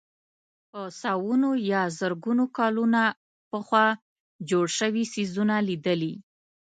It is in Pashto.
په سوونو یا زرګونو کلونه پخوا جوړ شوي څېزونه لیدلي.